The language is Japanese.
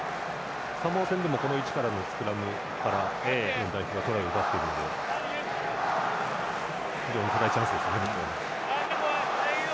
サモア戦でもこの位置のスクラムから日本代表はトライを奪っているんで非常にトライチャンスですね。